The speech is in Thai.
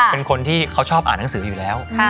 เป็นคนที่เขาชอบอ่านหนังสืออยู่แล้ว